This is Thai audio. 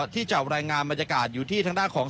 ที่จะรายงานบรรยากาศอยู่ที่ทางด้านของ